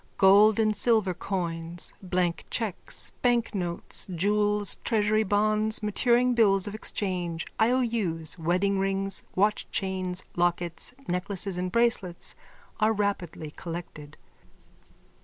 Gold and silver coins, blank cheques, banknotes, jewels, treasury bonds, maturing bills of exchange, I. O. U's, wedding rings, watchchains, lockets, necklaces and bracelets are rapidly collected.)